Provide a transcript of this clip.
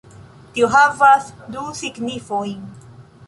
Tio havas du signifojn